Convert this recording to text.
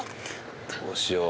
どうしよう。